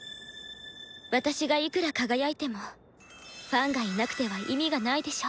私がいくら輝いても国民がいなくては意味がないでしょ？